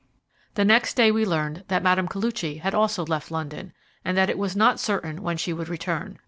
The next day we learned that Mme. Koluchy had also left London, and that it was not certain when she would return.